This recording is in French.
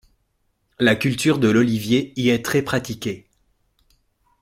La culture de l’olivier y est très pratiquée.